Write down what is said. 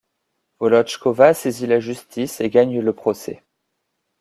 Volotchkova saisit la justice et gagne le procès.